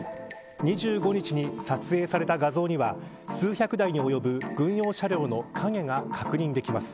２５日に撮影された画像には数百台に及ぶ軍用車両の影が確認できます。